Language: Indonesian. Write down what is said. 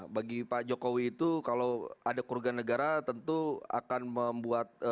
bagi pak jokowi itu kalau ada kerugian negara tentu akan membuat